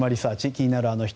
気になるアノ人。